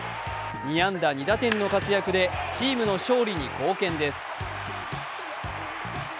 ２安打２打点の活躍でチームの勝利に貢献です。